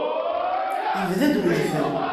Yebda-d wedfel.